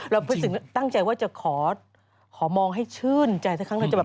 เราจึงตั้งใจว่าจะขอขอมองให้ชื่นใจก็มมมมมม